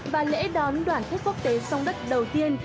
và lễ đón đoàn thuyết quốc tế sông đất đầu tiên